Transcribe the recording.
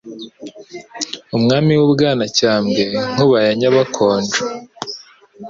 umwami w'u Bwanacyambwe Nkuba ya Nyabakonjo